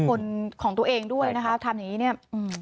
คนของตัวเองด้วยนะคะทำอย่างนี้เนี่ย